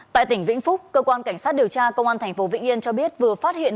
tại tỉnh vĩnh phúc cơ quan cảnh sát điều tra công an tp vĩnh yên cho biết vừa phát hiện